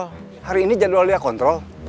rumah sakit tempat dia biasa kontrol